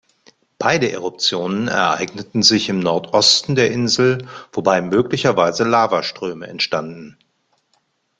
Beide Eruptionen ereigneten sich im Nordosten der Insel, wobei möglicherweise Lavaströme entstanden.